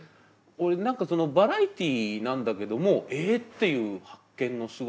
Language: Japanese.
何かバラエティーなんだけどもえっていう発見のすごさと。